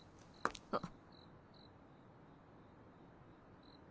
あっ。